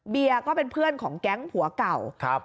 เบียร์ก็เป็นเพื่อนของแก๊งผัวก่าว